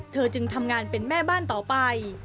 จึงทำงานเป็นแม่บ้านต่อไป